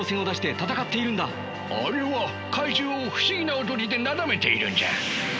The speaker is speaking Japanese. あれは怪獣を不思議な踊りでなだめているんじゃ。